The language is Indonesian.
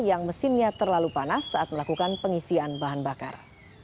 yang mesinnya terlalu panas saat melakukan pengisian bahan bakar